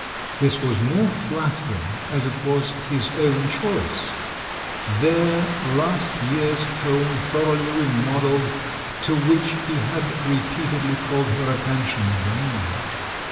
This was more flattering as it was his own choice, their last year's home thoroughly remodeled, to which he had repeatedly called her attention, vainly.